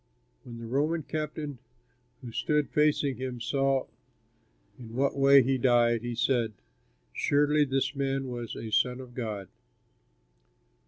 When the Roman captain who stood facing him saw in what way he died, he said, "Surely this man was a son of God."